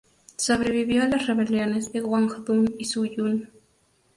Sobrevivió a las rebeliones de Wang Dun y Su Jun.